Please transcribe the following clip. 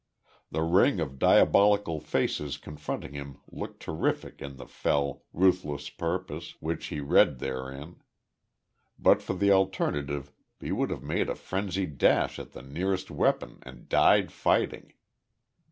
The ring of diabolical faces confronting him looked terrific in the fell, ruthless purpose, which he read therein. But for the alternative he would have made a frenzied dash at the nearest weapon and died fighting.